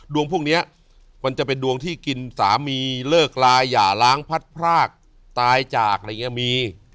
ดวงพวกนี้มันจะเป็นดวงที่กินสามีเลิกลาอย่าล้างพัดพรากตายจากอะไรอย่างนี้มี